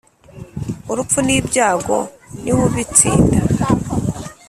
urupfu n'ibyago ni w' ubitsinda.